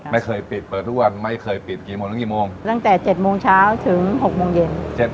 ไม่เคยปิดเปิดทุกวันไม่เคยปิดตั้งแต่๗โมงเช้าถึง๖โมงเย็น